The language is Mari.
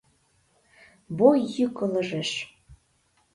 Бой йӱк ылыжеш.